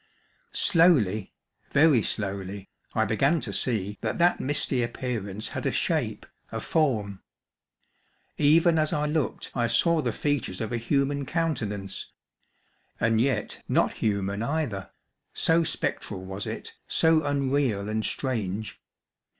Slowly, very slowly, I began to see that that misty appearance had a shape, a form. Even as I looked I saw the features of a human countenance and yet not human either, so spectral was it, so unreal and strange.